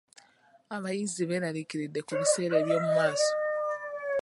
Abayizi beeralikiridde ku biseera eby'omumaaso.